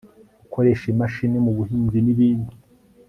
gukoresha imashini mu buhinzi, n' ibindi